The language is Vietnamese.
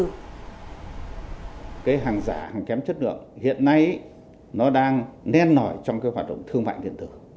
cái hàng giả hàng kém chất lượng hiện nay nó đang nen nổi trong cái hoạt động thương mại điện tử